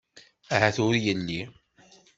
Ahat ur yelli.